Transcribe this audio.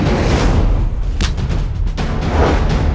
mari kita pergi